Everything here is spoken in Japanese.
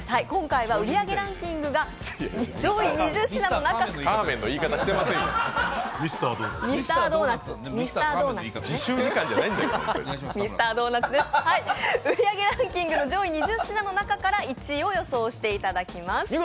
今回は売り上げランキングが上位２０品の中から１位を予想していただきます。